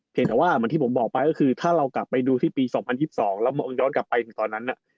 เห็นแต่ว่าที่ผมบอกไปก็คือถ้าเรากลับไปดูที่ปี๒๐๒๒แล้วเหมือนกลับไปตอนนั้น